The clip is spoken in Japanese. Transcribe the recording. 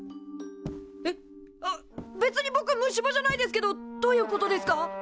えっ別にぼく虫歯じゃないですけどどういうことですか？